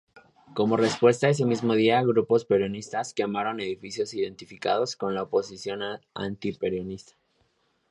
Como respuesta, ese mismo día, grupos peronistas quemaron edificios identificados con la oposición antiperonista.